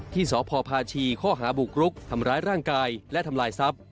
ที่สพพาชีข้อหาบุกรุกทำร้ายร่างกายและทำลายทรัพย